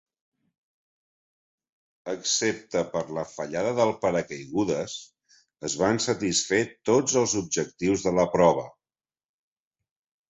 Excepte per la fallada del paracaigudes, es van satisfer tots els objectius de la prova.